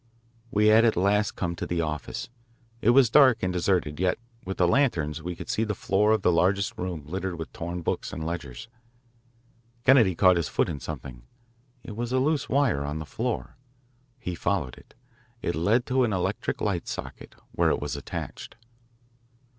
We had at last come to the office. It was dark and deserted, yet with the lanterns we could see the floor of the largest room littered with torn books and ledgers. Kennedy caught his foot in something. It was a loose wire on the floor. He followed it. It led to an electric light socket, where it was attached.